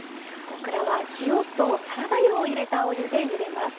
オクラは塩とサラダ油を入れたお湯でゆでます。